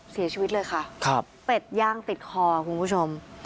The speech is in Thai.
เสียชีวิตเลยค่ะครับเป็ดย่างติดคอคุณผู้ชม